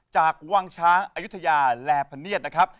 จากวังช้างอายุทยาแลพะเนียดนะครับ